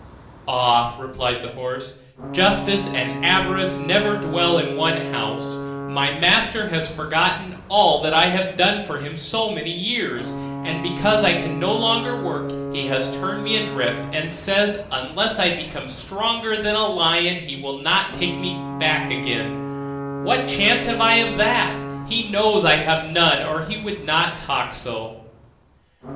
'Ah!' replied the horse, 'justice and avarice never dwell in one house; my master has forgotten all that I have done for him so many years, and because I can no longer work he has turned me adrift, and says unless I become stronger than a lion he will not take me back again; what chance can I have of that? he knows I have none, or he would not talk so.